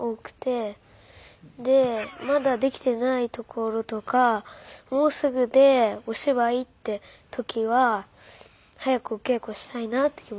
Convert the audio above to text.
でまだできてないところとかもうすぐでお芝居っていう時は早くお稽古したいなっていう気持ちになります。